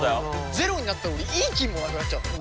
ゼロになったら俺いい菌もなくなっちゃうんだよ。